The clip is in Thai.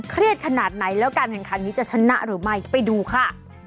ขนาดไหนแล้วการแข่งขันนี้จะชนะหรือไม่ไปดูค่ะ